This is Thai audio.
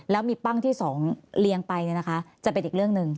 แล้วมีปั้งที่๒เรียงไปจะเป็นอีกเรื่องหนึ่ง